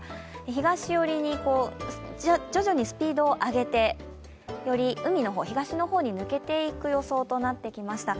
東寄りに徐々にスピードを上げて、より海のほう東の方に抜けていく予想となってきました。